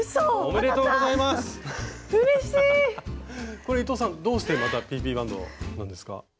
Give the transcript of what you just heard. これ伊藤さんどうしてＰＰバンドなんですか？